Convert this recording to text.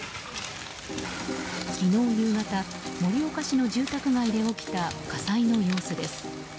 昨日夕方、盛岡市の住宅街で起きた火災の様子です。